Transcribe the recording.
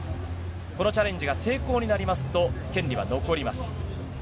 このチャレンジが成功になりますと、権利は残ります。